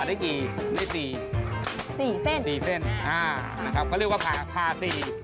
ได้นี้ได้กี่